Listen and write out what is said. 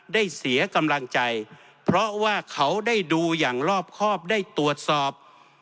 เสียกำลังใจเพราะว่าเขาได้ดูอย่างรอบครอบได้ตรวจสอบ